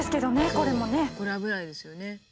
これ危ないですよね。